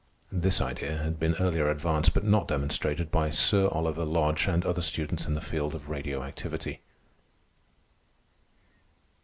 This idea had been earlier advanced, but not demonstrated, by Sir Oliver Lodge and other students in the new field of radio activity.